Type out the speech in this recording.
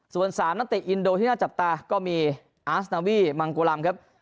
ส่วน๓นักเตะอินโดที่น่าจับตาก็มีอาสนาวีมังโกลำครับ